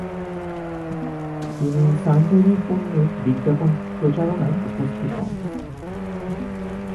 তিনি সানটোরির পণ্যের বিজ্ঞাপন প্রচারণায় উপস্থিত হন।